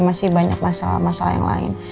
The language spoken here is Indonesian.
masih banyak masalah masalah yang lain